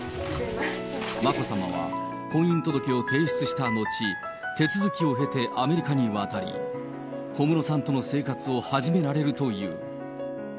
眞子さまは婚姻届を提出したのち、手続きを経て、アメリカに渡り、小室さんとの生活を始められるという。